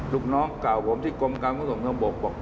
ลูกน้องเก่าผมที่กรมการคุณสมธรรมบกบอก